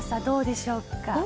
どうでしょうか？